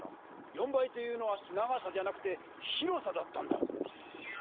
４倍というのは長さじゃなくて広さだったんだ！